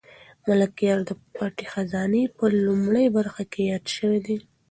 ملکیار د پټې خزانې په لومړۍ برخه کې یاد شوی دی.